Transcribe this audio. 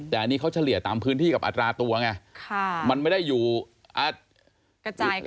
แต่อันนี้เขาเฉลี่ยตามพื้นที่กับอัตราตัวไงมันไม่ได้อยู่กระจายกัน